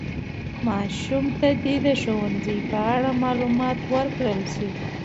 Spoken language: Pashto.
ماشوم ته د ښوونځي په اړه معلومات ورکړل شي.